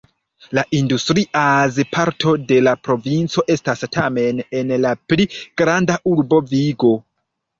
La industria parto de la provinco estas tamen en la pli granda urbo Vigo.